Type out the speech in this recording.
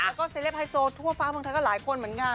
แล้วก็เซเลปไฮโซทั่วฟ้าเมืองไทยก็หลายคนเหมือนกัน